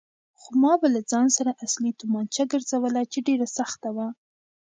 خو ما به له ځان سره اصلي تومانچه ګرځوله چې ډېره سخته وه.